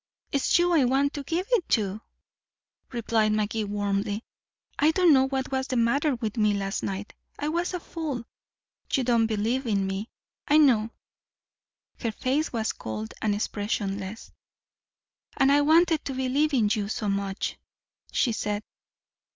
"It's you I want to give it to," replied Magee warmly. "I don't know what was the matter with me last night. I was a fool. You don't believe in me, I know " Her face was cold and expressionless. "And I wanted to believe in you so much," she said.